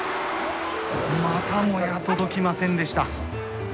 またもや届きませんでした。